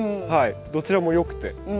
どちらもよくて。